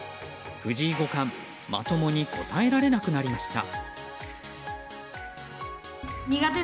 藤井五冠まともに答えられなくなりました。